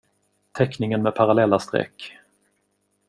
Teckningen med parallella streck.